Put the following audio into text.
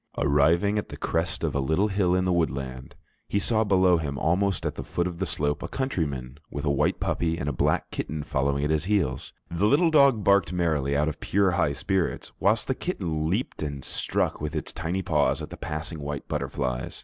Arriving at the crest of a little hill in the woodland, he saw below him, almost at the foot of the slope, a countryman with a white puppy and a black kitten following at his heels. The little dog barked merrily out of pure high spirits, whilst the kitten leaped and struck with its tiny paws at the passing white butterflies.